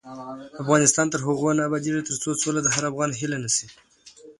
افغانستان تر هغو نه ابادیږي، ترڅو سوله د هر افغان هیله نشي.